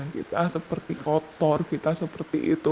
kita seperti kotor kita seperti itu